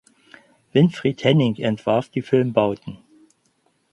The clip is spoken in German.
Winfried Hennig entwarf die Filmbauten.